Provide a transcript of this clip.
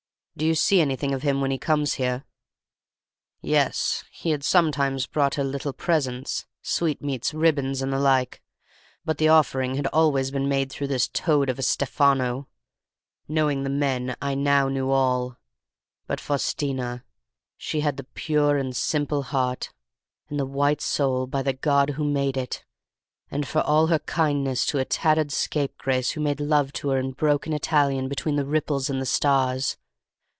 "'Do you see anything of him when he comes here?' "Yes, he had sometimes brought her little presents, sweetmeats, ribbons, and the like; but the offering had always been made through this toad of a Stefano. Knowing the men, I now knew all. But Faustina, she had the pure and simple heart, and the white soul, by the God who made it, and for all her kindness to a tattered scapegrace who made love to her in broken Italian between the ripples and the stars.